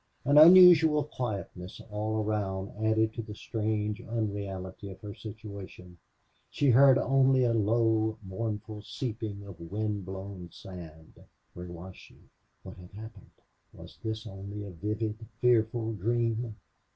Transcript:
An unusual quietness all around added to the strange unreality of her situation. She heard only a low, mournful seeping of wind blown sand. Where was she? What had happened? Was this only a vivid, fearful dream?